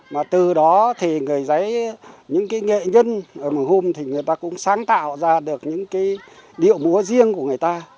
mà từ đó thì người giấy những nghệ nhân ở mừng hung thì người ta cũng sáng tạo ra được những điệu múa riêng của người ta